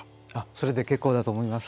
それで結構だと思います。